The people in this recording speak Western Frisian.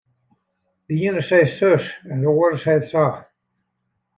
De iene seit sus en de oare seit sa.